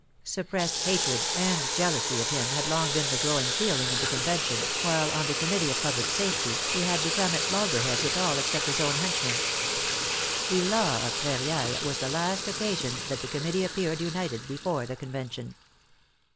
Suppressed hatred and jealousy of him had long been the growing feeling in the Conven tion, while on the Committee of Public Safety he had become at loggerheads with all except his own henchmen. The law of Prairial was the last occasion that the Com mittee appeared united before the Convention.